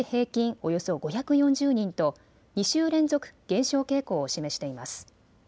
およそ５４０人と２週連続、減少傾向を示しています。